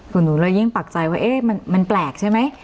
หนูเลยยิ่งปักใจว่ามันแปลกใช่ไหม